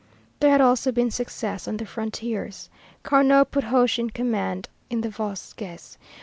There had also been success on the frontiers. Carnot put Hoche in command in the Vosges.